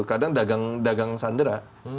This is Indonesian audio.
kadang dagang sandera